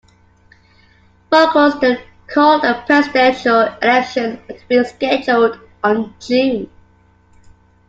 Marcos then called a presidential election to be scheduled on June.